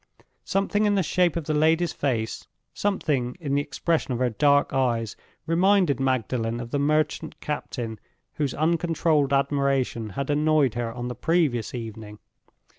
Something in the shape of the lady's face, something in the expression of her dark eyes, reminded Magdalen of the merchant captain whose uncontrolled admiration had annoyed her on the previous evening.